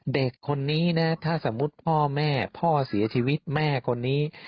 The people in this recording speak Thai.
เด็กคนนี้นะถ้าสมมุติพ่อแม่พ่อเสียชีวิตแม่คนนี้